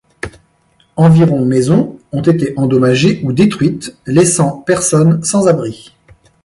Environ maisons ont été endommagées ou détruites, laissant personnes sans abri.